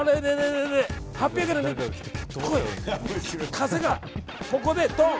風が、ここでドン！